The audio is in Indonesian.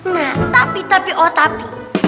nah tapi tapi oh tapi